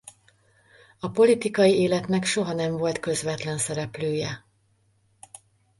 A politikai életnek soha nem volt közvetlen szereplője.